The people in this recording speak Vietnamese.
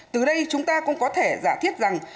từ đây chúng ta cũng có thể giả thiết rằng